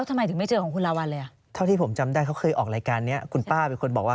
ทำไมไม่เจอลายนิ้วมือคุณละวันอ่ะ